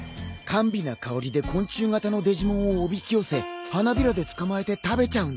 甘美な香りで昆虫型のデジモンをおびき寄せ花びらで捕まえて食べちゃうんだ。